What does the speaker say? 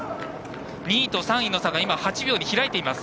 ２位と３位の差が８秒に開いています。